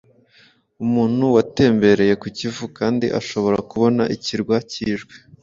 Umuntu watembereye ku Kivu kandi ashobora kubona ikirwa k’Ijwi